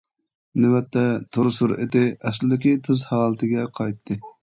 نۆۋەتتە تور سۈرئىتى ئەسلىدىكى تېز ھالىتىگە قايتتى.